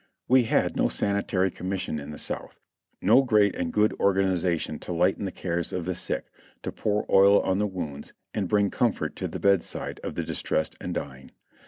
We had no Sanitary Commission in the South ; no great and good organization to lighten the cares of the sick, to pour oil on the wounds, and bring comfort to the bedside of the distressed and dying.